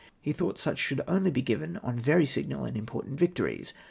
He thought such should only be given on very signal and important victories.